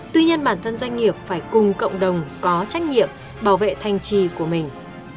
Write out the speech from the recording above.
tuy nhiên bản thân doanh nghiệp phải cùng cộng đồng có trách nhiệm bảo vệ thành trì của mình